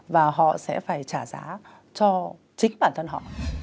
và họ sẽ phải trả giá cho chính bản thân họ